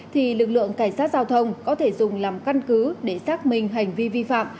thì lực lượng cảnh sát giao thông có thể dùng làm căn cứ để xác minh hành vi vi phạm